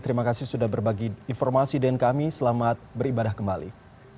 terima kasih sudah berbagi informasi dengan kami selamat beribadah kembali